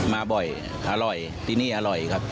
มาบ่อยอร่อยที่นี่อร่อยครับ